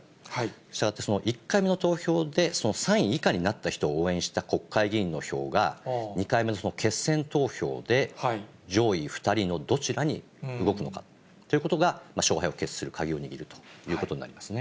したがって、その１回目の投票でその３位以下になった人を応援した国会議員の票が、２回目のその決選投票で上位２人のどちらに動くのかということが勝敗を決する鍵を握るということになりますね。